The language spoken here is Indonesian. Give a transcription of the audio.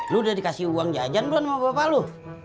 lo udah dikasih uang jajan belum sama bapak lo